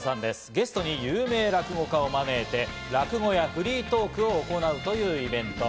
ゲストに有名落語家を招いて落語やフリートークを行うというイベント。